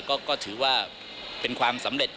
ก็ถือว่าเป็นความสำเร็จ